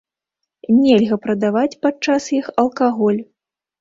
Нельга прадаваць падчас іх алкаголь.